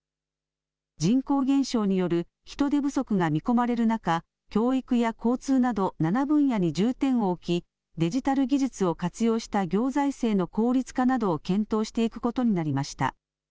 人口減少による人手不足が見込まれる中、教育や交通など７分野に重点を置き、デジタル技術を活用した行財政の効率化などを検討していくことになりました。